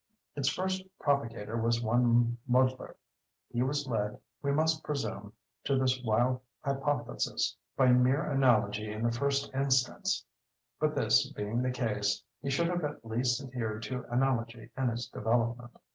Its first propagator was one Mudler. He was led, we must presume, to this wild hypothesis by mere analogy in the first instance; but, this being the case, he should have at least adhered to analogy in its development.